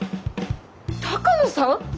鷹野さん！？